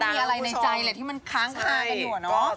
คือต้องมีอะไรในใจเลยที่มันค้างคลาอยุ่ะนะ